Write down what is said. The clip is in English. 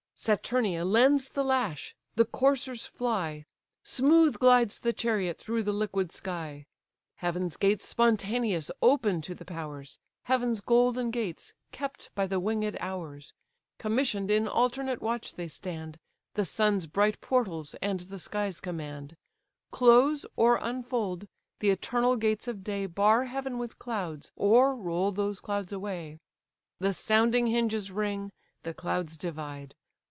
Saturnia lends the lash; the coursers fly; Smooth glides the chariot through the liquid sky. Heaven's gates spontaneous open to the powers, Heaven's golden gates, kept by the winged Hours. Commission'd in alternate watch they stand, The sun's bright portals and the skies command; Close, or unfold, the eternal gates of day Bar heaven with clouds, or roll those clouds away. The sounding hinges ring, the clouds divide.